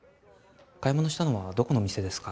買い物したのはどこのお店ですか？